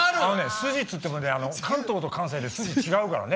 スジっつってもね関東と関西でスジ違うからね。